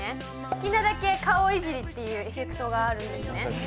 好きなだけ顔イジリっていうエフェクトがあるんですね。